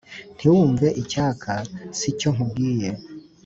ntiwumve icyaka si cyo nkubwiye.